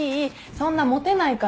そんな持てないから。